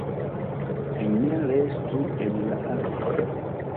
"Vi ne restu en la akvo!"